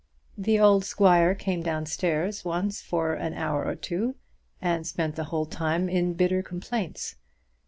The old squire came down stairs once for an hour or two, and spent the whole time in bitter complaints.